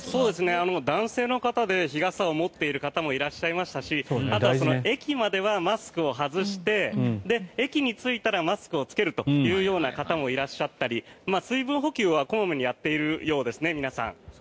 男性の方で日傘を持っている方もいらっしゃいましたしあとは駅まではマスクを外して駅に着いたらマスクを着けるというような方もいらっしゃったり皆さん、水分補給は小まめにやっているようです。